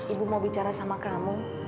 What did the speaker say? ibu mau bicara sama kamu